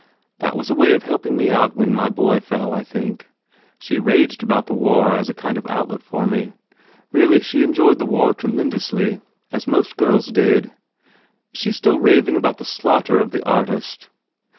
"That was a way of helping me out when my boy fell, I think. She raged about the war as a sort of outlet for me. Really, she enjoyed the 179 THE FAIR REWARDS war tremendously. As most girls did. Is she still raving about the slaughter of the artist